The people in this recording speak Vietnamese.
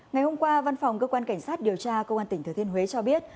ngày hôm qua văn phòng cơ quan cảnh sát điều tra công an tỉnh thừa thiên huế cho biết